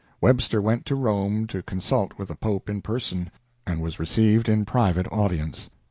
Webster went to Rome to consult with the Pope in person, and was received in private audience.